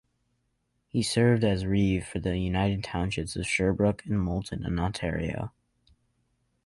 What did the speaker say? He served as reeve for the United Townships of Sherbrooke and Moulton in Ontario.